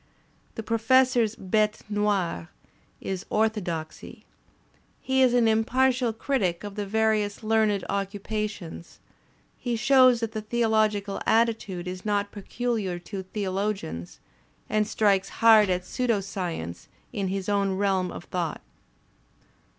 The Professor's bite noir is orthodoxy. He is an impartial critic of the various learned occupations; he shows that the theological attitude is not pecuUar to theologians, and strikes hard at pseudo science in his own realm of thought.